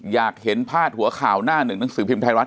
อยากเห็นพาดหัวข่าวหน้าหนึ่งหนังสือพิมพ์ไทยรัฐ